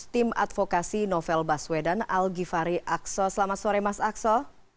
tim advokasi novel baswedan al ghifari aksol selamat sore mas aksol